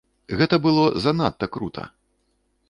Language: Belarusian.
Гэта было занадта крута!